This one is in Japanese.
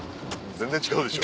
全然違うでしょ。